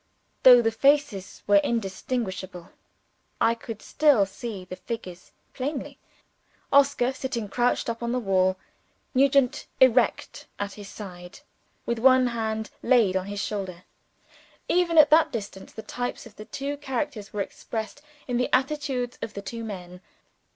Though the faces were indistinguishable, I could still see the figures plainly Oscar sitting crouched up on the wall; Nugent erect at his side, with one hand laid on his shoulder. Even at that distance, the types of the two characters were expressed in the attitudes of the two men.